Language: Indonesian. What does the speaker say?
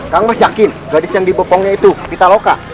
kamu yakin gadis yang dibopongnya itu pitaloka